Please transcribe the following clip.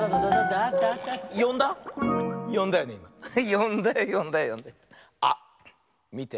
よんだよよんだよよんだよ。あっみて。